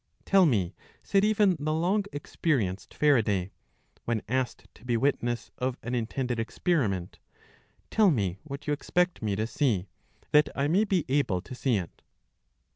Tell me, said even the long experienced Faraday, when asked to be witness of an intended experiment, tell me what you expect me to see, that I may be able to see it.